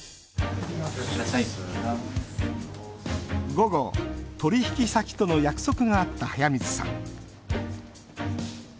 午後、取引先との約束があった速水さん。